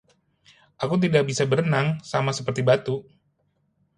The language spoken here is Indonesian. Aku tidak bisa berenang, sama seperti batu.